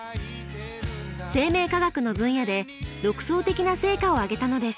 生命科学の分野で独創的な成果を上げたのです。